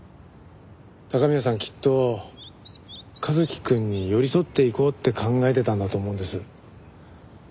高宮さんきっと一輝くんに寄り添っていこうって考えてたんだと思うんです。